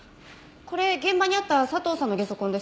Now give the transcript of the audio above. これ現場にあった佐藤さんのゲソ痕ですか？